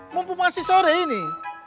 mumpung masih sore ini